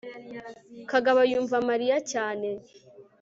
kagabo yumva mariya cyane